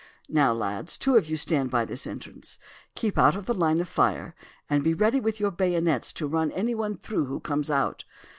Now, lads, two of you stand by this entrance. Keep out of the line of fire, and be ready with your bayonets to run anyone through who comes out.